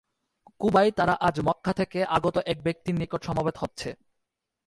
কুবায় তারা আজ মক্কা থেকে আগত এক ব্যক্তির নিকট সমবেত হচ্ছে।